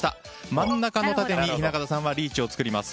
真ん中の縦に雛形さんはリーチを作ります。